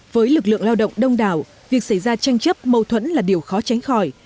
với lực lượng lao động đông đảo việc xảy ra tranh chấp mâu thuẫn là điều khó tránh khỏi